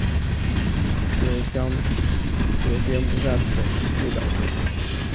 信箱邮编不在此表列出。